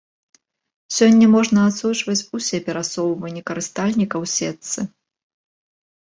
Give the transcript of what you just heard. Сёння можна адсочваць усе перасоўванні карыстальніка ў сетцы.